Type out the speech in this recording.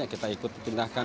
ya kita ikut dipindahkan